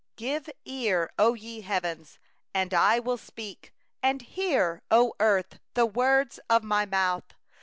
Give ear, ye heavens, and I will speak; And let the earth hear the words of my mouth.